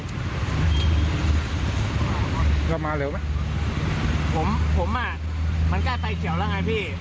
แล้วมาเร็วไหมผมผมอ่ะมันกล้าใต้เขียวแล้วไงพี่